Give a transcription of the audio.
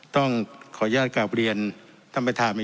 ต้องขออนุญาตกลับเรียนท่านประธาน